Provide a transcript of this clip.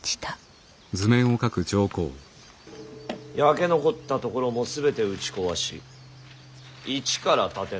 焼け残った所も全て打ち壊し一から建て直せ。